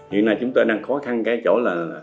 hiện nay chúng tôi đang khó khăn cái chỗ là